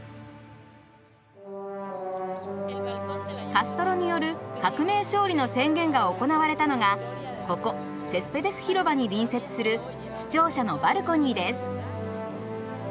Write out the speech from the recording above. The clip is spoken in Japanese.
カストロによる革命勝利の宣言が行われたのがここセスペデス広場に隣接する市庁舎のバルコニーです。